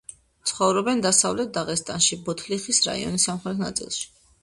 ცხოვრობენ დასავლეთ დაღესტანში, ბოთლიხის რაიონის სამხრეთ ნაწილში.